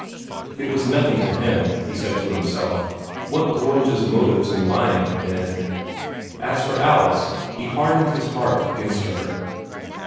It was nothing to him, he said to himself, what Gorringe's motives in lying had been. As for Alice, he hardened his heart against her.